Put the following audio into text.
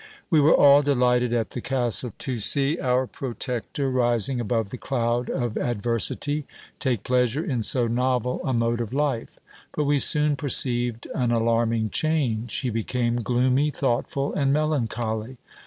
We were all delighted at the castle to see our protector, rising above the cloud of adversity, take pleasure in so novel a mode of life : but we soon perceived an alarming change. He became gloomy, thoughtful, and melancholy.